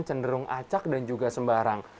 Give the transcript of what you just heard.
cenderung acak dan juga sembarang